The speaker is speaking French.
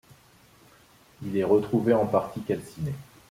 Il est retrouvé en partie calciné.